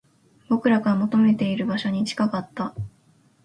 僕らが求めている場所に近かった